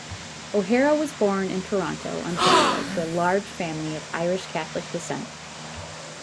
O'Hara was born in Toronto, Ontario to a large family of Irish Catholic descent.